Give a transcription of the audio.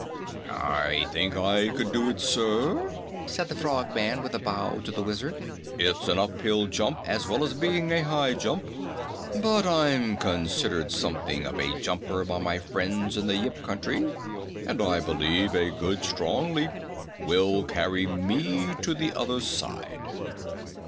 "I think I could do it, sir," said the Frogman with a bow to the Wizard. "It is an uphill jump as well as being a high jump, but I'm considered something of a jumper by my friends in the Yip Country, and I believe a good, strong leap will carry me to the other side."